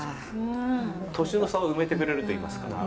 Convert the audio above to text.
年の差を埋めてくれると言いますか。